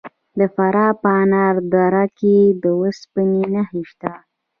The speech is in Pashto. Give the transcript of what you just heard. د فراه په انار دره کې د وسپنې نښې شته.